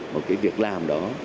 một cái việc làm đó